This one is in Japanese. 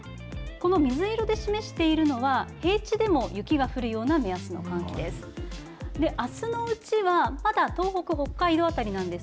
この水色で示しているのは、平地でも雪が降るような目安の寒気です。